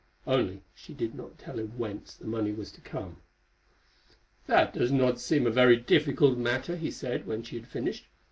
Only she did not tell him whence the money was to come. "That does not seem a very difficult matter," he said, when she had finished.